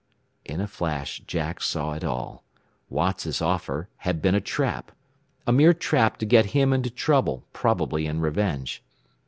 In a flash Jack saw it all. Watts' offer had been a trap! A mere trap to get him into trouble, probably in revenge!